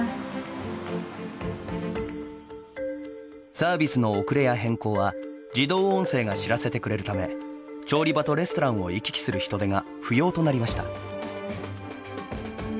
サービスの遅れや変更は自動音声が知らせてくれるため調理場とレストランを行き来する人手が不要となりました。